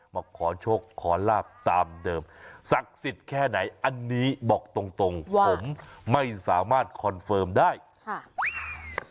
มาขอโชคขอลาบตามเดิมศักดิ์สิทธิ์แค่ไหนอันนี้บอกตรงตรงผมไม่สามารถคอนเฟิร์มได้ค่ะ